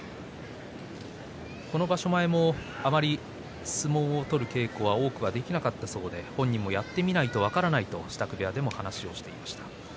この場所前もあまり相撲を取る稽古は多くはできなかったそうで本人もやってみないと分からないと言っていました。